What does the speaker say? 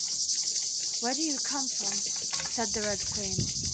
‘Where do you come from?’ said the Red Queen.